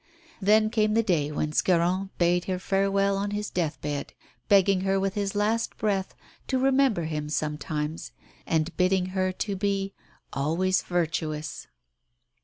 Then came the day when Scarron bade her farewell on his death bed, begging her with his last breath to remember him sometimes, and bidding her to be "always virtuous."